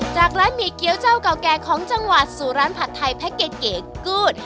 จากร้านหมี่เกี้ยวเจ้าเก่าแก่ของจังหวัดสู่ร้านผัดไทยแพ็คเก๋กูธ